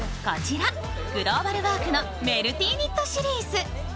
こちら、グローバルワークのメルティニットシリーズ。